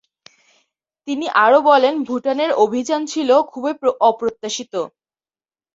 তিনি আরও বলেন, ভুটানের অভিযান ছিল খুবই অপ্রত্যাশিত।